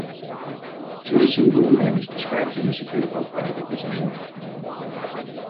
Jason Bulmahn has described him as a "critical part of the design team".